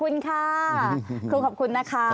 ลุงเอี่ยมอยากให้อธิบดีช่วยอะไรไหม